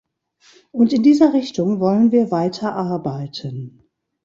Und in dieser Richtung wollen wir weiter arbeiten.